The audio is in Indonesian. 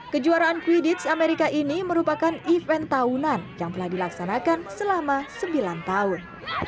kejuaraan quidits amerika ini merupakan event tahunan yang telah dilaksanakan selama sembilan tahun